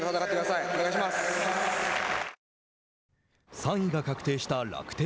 ３位が確定した楽天。